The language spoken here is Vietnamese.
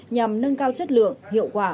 nhằm nâng cao chất lượng hiệu quả